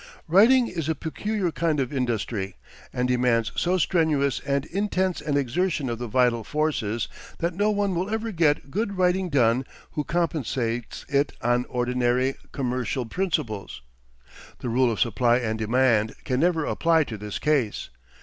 Writing is a peculiar kind of industry, and demands so strenuous and intense an exertion of the vital forces, that no one will ever get good writing done who compensates it on ordinary commercial principles. The rule of supply and demand can never apply to this case.